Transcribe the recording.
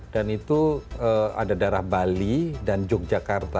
dan itu ada darah bali dan yogyakarta